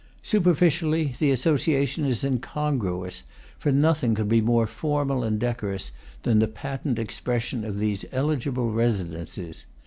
Superficially, the association is incongru ous, for nothing could be more formal and decorous than the patent expression of these eligible residences.